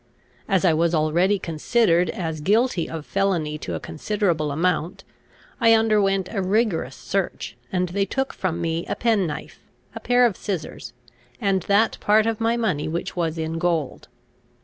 As I was already considered as guilty of felony to a considerable amount, I underwent a rigorous search, and they took from me a penknife, a pair of scissars, and that part of my money which was in gold.